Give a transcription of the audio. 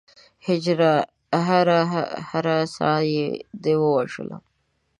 هجره! هره هره ساه دې ووژلم